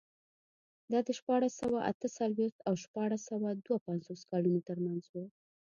دا د شپاړس سوه اته څلوېښت او شپاړس سوه دوه پنځوس کلونو ترمنځ و.